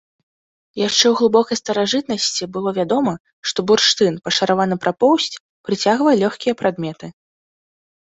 Яшчэ ў глыбокай старажытнасці было вядома, што бурштын, пашараваны пра поўсць, прыцягвае лёгкія прадметы.